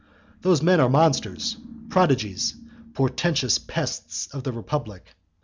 Those men are monsters, prodigies, portentous pests of the republic.